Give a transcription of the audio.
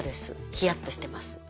ヒヤッとしてます。